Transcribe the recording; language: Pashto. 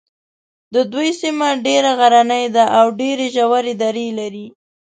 د دوی سیمه ډېره غرنۍ ده او ډېرې ژورې درې لري.